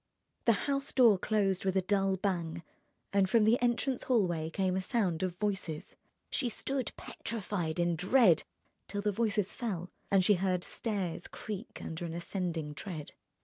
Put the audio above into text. The house door closed with a dull bang, and from the entrance hallway came a sound of voices. She stood petrified in dread till the voices fell and she heard stairs creak under an ascending tread.